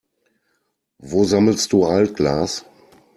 Wo sammelst du Altglas?